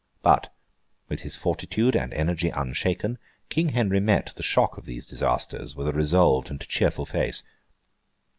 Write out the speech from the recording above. But, with his fortitude and energy unshaken, King Henry met the shock of these disasters with a resolved and cheerful face.